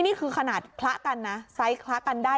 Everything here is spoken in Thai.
นี่คือขนาดคละกันนะไซส์คละกันได้